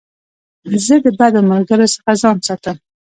زه د بدو ملګرو څخه ځان ساتم.